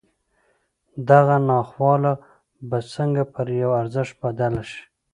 دغه ناخواله به څنګه پر يوه ارزښت بدله شي.